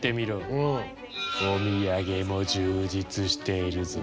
お土産も充実しているぞ。